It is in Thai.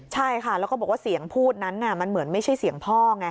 ใช่ค่ะแล้วก็บอกว่าเสียงพูดนั้นมันเหมือนไม่ใช่เสียงพ่อไง